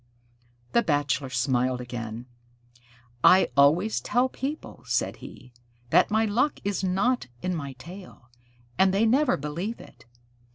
The Bachelor smiled again. "I always tell people," said he, "that my luck is not in my tail, and they never believe it.